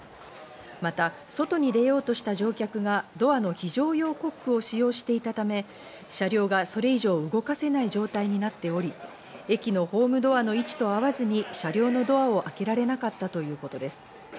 また、外に出ようとした乗客がドアの非常用コックを使用していたため、車両がそれ以上動かさない状態になっており、駅のホームドアの位置と合わずに車両のドアを開けられなかったということです。